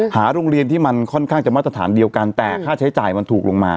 หาโรงเรียนที่มันค่อนข้างจะมาตรฐานเดียวกันแต่ค่าใช้จ่ายมันถูกลงมา